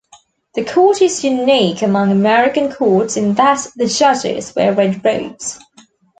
The Court is unique among American courts in that the judges wear red robes.